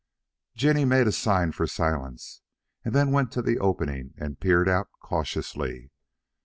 Jinny made a sign for silence, and then went to the opening and peered out cautiously.